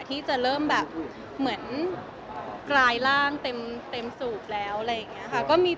ที่จะเริ่มแบบเหมือนกลายร่างเต็มสูบแล้วอะไรอย่างนี้ค่ะ